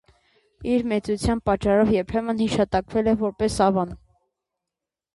Իր մեծության պատճառով երբեմն հիշատակվել է որպես ավան։